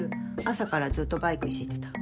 朝からずっとバイクいじってた。